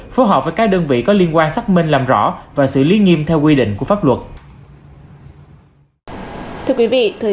phù hợp với các đơn vị có liên quan xác minh làm rõ và xử lý nghiêm theo quy định của pháp luật